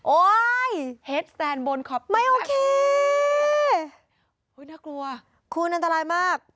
โอ๊ยไม่โอเคโอ๊ยน่ากลัวคุณอันตรายมาก